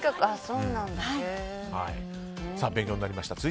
勉強になりました。